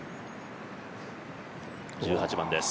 １８番です。